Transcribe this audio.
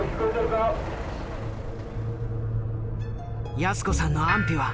泰子さんの安否は？